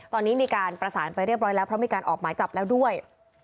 ตอนนี้มีการประสานไปเรียบร้อยแล้วเพราะมีการออกหมายจับแล้วด้วย